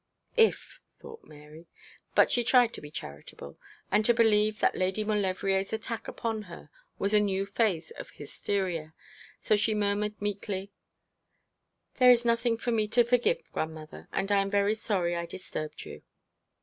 'If,' thought Mary: but she tried to be charitable, and to believe that Lady Maulevrier's attack upon her was a new phase of hysteria, so she murmured meekly, 'There is nothing for me to forgive, grandmother, and I am very sorry I disturbed you.'